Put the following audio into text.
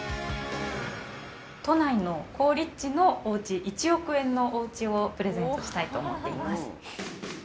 都内の好立地のおうち、１億円のおうちをプレゼントしたいと思っています。